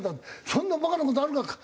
「そんなバカな事あるか！